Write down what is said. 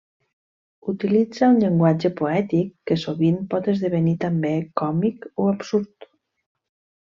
Utilitza un llenguatge poètic, que sovint pot esdevenir també còmic o absurd.